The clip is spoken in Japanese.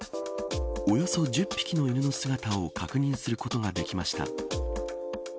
およそ１０匹の犬の姿を確認することができました。